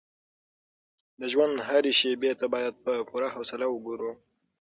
د ژوند هرې شېبې ته باید په پوره حوصله وګورو.